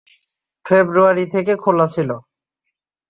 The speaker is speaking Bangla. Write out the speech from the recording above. ফেব্রুয়ারি থেকে খোলা ছিল।